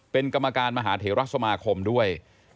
เป็นกรรมการมหาเทราสมาคมด้วย